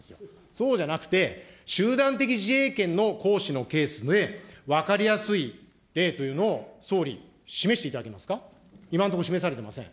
そうじゃなくて、集団的自衛権の行使のケースで分かりやすい例というのを、総理、示していただけますか。